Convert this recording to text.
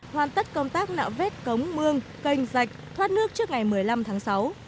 hoàn tất công tác nạo vết cống mương cành dạch thoát nước trước ngày một mươi năm tháng sáu